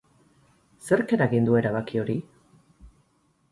Zerk eragin du erabaki hori?